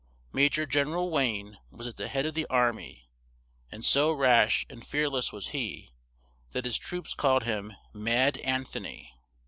Ma jor Gen er al Wayne was at the head of the ar my, and so rash and fear less was he, that his troops called him "Mad An tho ny."